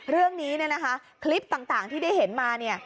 เรื่องนี้นะคะคลิปต่างที่ได้เห็นมา